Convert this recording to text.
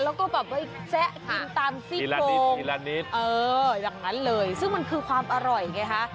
แล้วก็แบบเฮ้ยแชะกินตามซี่โกงเออแบบนั้นเลยซึ่งมันคือความอร่อยไงฮะ